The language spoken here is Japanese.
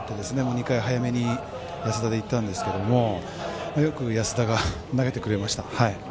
２回で早めに安田でいったんですけどよく安田が投げてくれました。